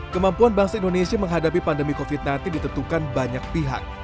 kemampuan bangsa indonesia menghadapi pandemi covid sembilan belas ditentukan banyak pihak